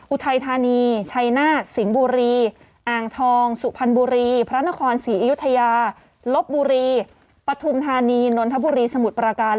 อุทัยธานีชัยนาฏสิงห์บุรีอ่างทองสุพรรณบุรีพระนครศรีอยุธยาลบบุรีปฐุมธานีนนทบุรีสมุทรประการ